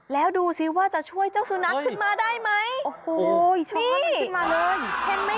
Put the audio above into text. แล้วดูสิว่าจะช่วยเจ้าสุนัขขึ้นมาได้ไหมโอ้โหช่วยเจ้าสุนัขขึ้นมาเลย